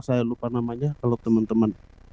saya lupa namanya kalau teman teman